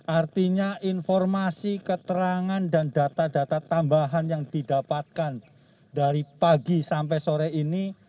artinya informasi keterangan dan data data tambahan yang didapatkan dari pagi sampai sore ini